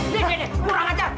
nih nih nih kurang ajar